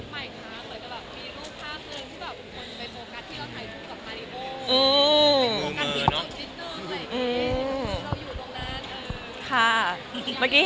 มีฝูกกันถึงตอนพิทัล